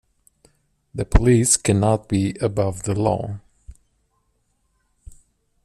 The police cannot be above the law.